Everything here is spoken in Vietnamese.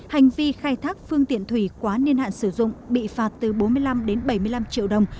hành vi khai thác phương tiện thủy quá niên hạn sử dụng bị phạt từ bốn mươi năm đến bảy mươi năm triệu đồng